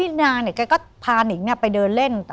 พี่นาเนี่ยก็ก็พานิ่งไปเดินเล่น